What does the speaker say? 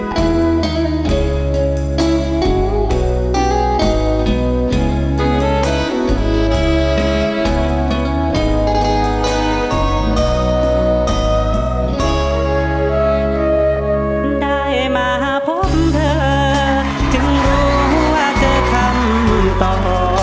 ได้มาพบเธอจึงรู้ว่าเธอทำต่อหมอ